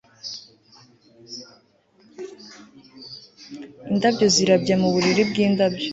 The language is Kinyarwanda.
Indabyo zirabya mu buriri bwindabyo